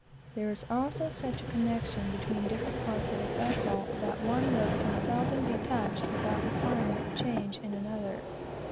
There is also such a connection between different parts of a vessel, that one rope can seldom be touched without altering another.